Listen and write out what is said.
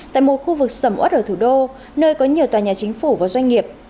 tại một khu vực sầm ớt ở thủ đô nơi có nhiều tòa nhà chính phủ và doanh nghiệp